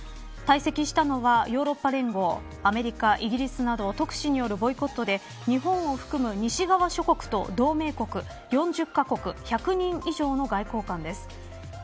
退席したのはヨーロッパ連合、アメリカイギリスなど特使によるボイコットで日本を含む西側諸国と同盟国４０カ国１００人以上の外交官です。